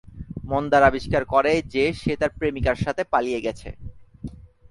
মন্দার আবিষ্কার করে যে সে তার প্রেমিকার সাথে পালিয়ে গেছে।